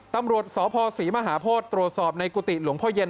ตำรวจสพศรีมหาโพธิตรวจสอบในกุฏิหลวงพ่อเย็น